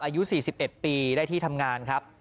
อายุ๔๑ปีได้ที่ทำงานครับ